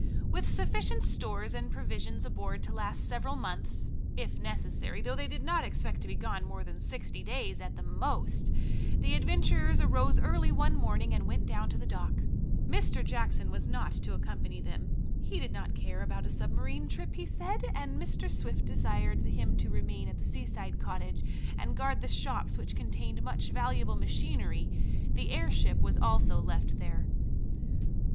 With sufficient stores and provisions aboard to last several months, if necessary, though they did not expect to be gone more than sixty days at most, the adventurers arose early one morning and went down to the dock. Mr. Jackson was not to accompany them. He did not care about a submarine trip, he said, and Mr. Swift desired him to remain at the seaside cottage and guard the shops, which contained much valuable machinery. The airship was also left there.